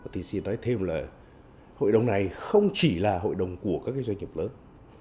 thì xin nói thêm là hội đồng này không chỉ là hội đồng của các doanh nghiệp lớn